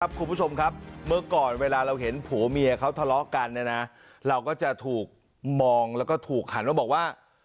คุณผู้ชมครับเมื่อก่อนเวลาเราเห็นผัวเมียเขาทะเลาะกันเราก็จะถูกมองแล้วก็ถูกหันมาบอกว่า